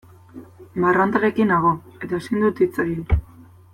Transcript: Marrantarekin nago eta ezin dut hitz egin.